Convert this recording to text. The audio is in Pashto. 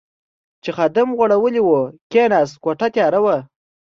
چې خادم غوړولې وه، کېناست، کوټه تیاره وه.